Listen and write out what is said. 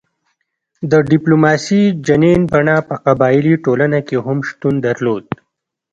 د ډیپلوماسي جنین بڼه په قبایلي ټولنه کې هم شتون درلود